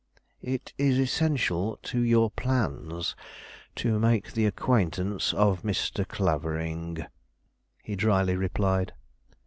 "It is essential to your plans to make the acquaintance of Mr. Clavering," he dryly replied.